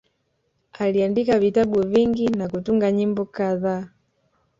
Aliandika vitabu vingi na kutunga nyimbo kadhaa